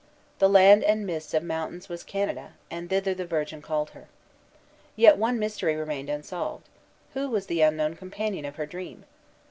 The land of mists and mountains was Canada, and thither the Virgin called her. Yet one mystery remained unsolved. Who was the unknown companion of her dream?